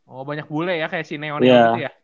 oh banyak bule ya kayak si neon ya